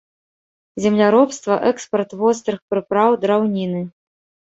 Земляробства, экспарт вострых прыпраў, драўніны.